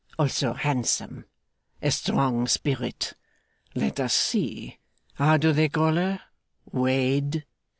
Also handsome. A strong spirit. Let us see. How do they call her? Wade.